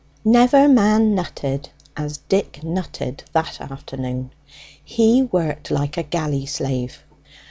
Never man nutted as Dick nutted that afternoon. He worked like a galley slave.